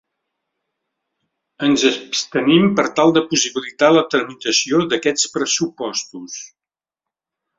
Ens abstenim per tal de possibilitar la tramitació d’aquests pressupostos.